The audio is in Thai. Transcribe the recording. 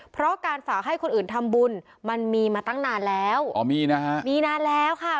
เพราะการฝากให้คนอื่นทำบุญมันมีมาตั้งนานแล้วอ๋อมีนะฮะมีนานแล้วค่ะ